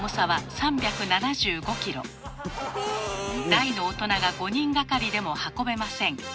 大の大人が５人がかりでも運べません。